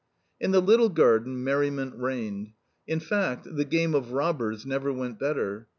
In the little garden merriment reigned. In fact, the game of "robbers" never went better.